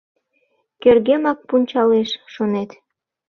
Кӧргемак пунчалеш, шонет...